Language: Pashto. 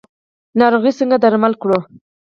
ناروغي څنګه درمل کړو؟